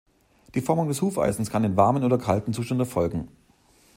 Die Formung des Hufeisens kann in warmem oder kaltem Zustand erfolgen.